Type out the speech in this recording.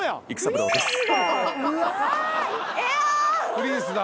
プリンスだ。